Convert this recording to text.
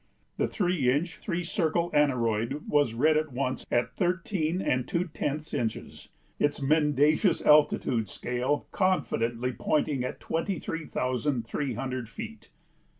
The three inch, three circle aneroid was read at once at thirteen and two tenths inches, its mendacious altitude scale confidently pointing at twenty three thousand three hundred feet.